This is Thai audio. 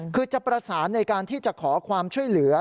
คือจะประสานในการที่จะขอความช่วยเหลือ